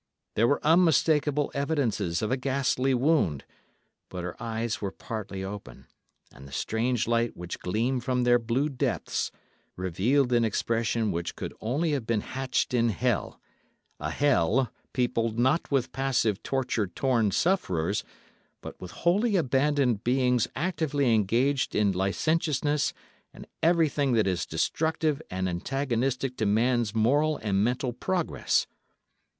There were unmistakable evidences of a ghastly wound, but her eyes were partly open, and the strange light which gleamed from their blue depths revealed an expression which could only have been hatched in hell—a hell, peopled not with passive torture torn sufferers, but with wholly abandoned beings actively engaged in licentiousness and everything that is destructive and antagonistic to man's moral and mental progress.